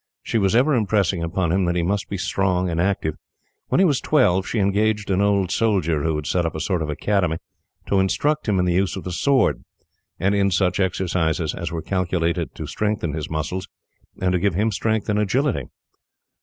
She was ever impressing upon him that he must be strong and active. When he was twelve, she engaged an old soldier, who had set up a sort of academy, to instruct him in the use of the sword; and in such exercises as were calculated to strengthen his muscles, and to give him strength and agility.